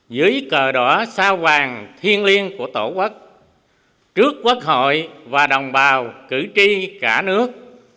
dưới cờ đỏ sao vàng thiên liêng của tổ quốc trước quốc hội và đồng bào cử tri cả nước